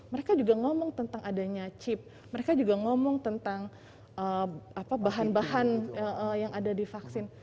mereka juga ngomong tentang adanya chip mereka juga ngomong tentang bahan bahan yang ada di vaksin